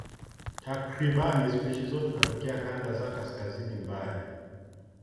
Takriban spishi zote zinatokea kanda za kaskazini mbali.